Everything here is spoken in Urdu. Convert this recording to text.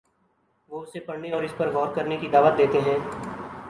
وہ اسے پڑھنے اور اس پر غور کرنے کی دعوت دیتے ہیں۔